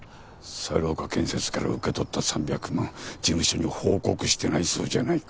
猿岡建設から受け取った３００万事務所に報告してないそうじゃないか。